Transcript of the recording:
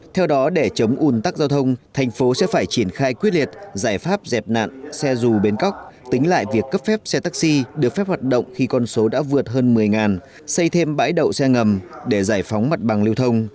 theo đó để chống ủn tắc giao thông thành phố sẽ phải triển khai quyết liệt giải pháp dẹp nạn xe dù bến cóc tính lại việc cấp phép xe taxi được phép hoạt động khi con số đã vượt hơn một mươi xây thêm bãi đậu xe ngầm để giải phóng mặt bằng lưu thông